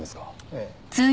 ええ。